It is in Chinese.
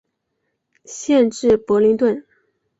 县治伯灵顿。